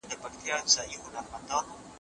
نن به یې لوی ښاخونه